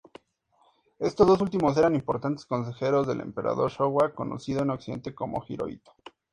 Estos dos últimos eran importantes consejeros del Emperador Shōwa, conocido en occidente como Hirohito.